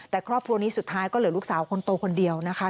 แต่ครอบครัวนี้สุดท้ายก็เหลือลูกสาวคนโตคนเดียวนะคะ